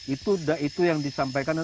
itu sudah itu yang disampaikan